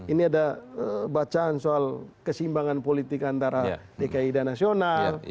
ini ada bacaan soal kesimbangan politik antara dki dan nasional